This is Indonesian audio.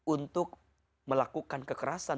untuk melakukan kekerasan